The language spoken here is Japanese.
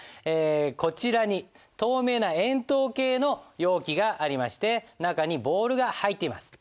こちらに透明な円筒形の容器がありまして中にボールが入っています。